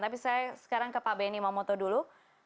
tapi saya sekarang ke pak benny mamoto dulu